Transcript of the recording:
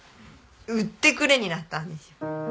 売ってくれになったんですよ。